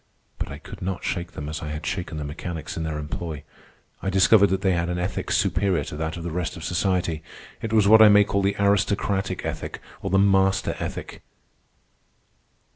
But I could not shake them as I had shaken the mechanics in their employ. I discovered that they had an ethic superior to that of the rest of society. It was what I may call the aristocratic ethic or the master ethic.